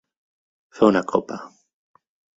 Fer una copa.